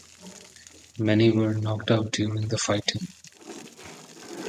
Many were knocked out during the fighting.